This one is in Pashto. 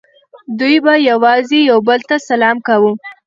دوی به یوازې یو بل ته سلام کاوه